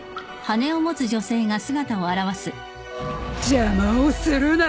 邪魔をするな！